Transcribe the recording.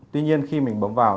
tuy nhiên khi mình bấm vào